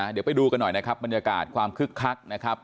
เดี๋ยวไปดูกันหน่อยนะครับบรรยากาศความคึกคักนะครับ